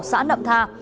xã nậm tha